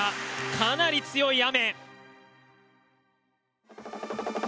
かなり強い雨。